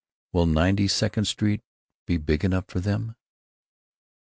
Will Ninety second Street be big enough for them?"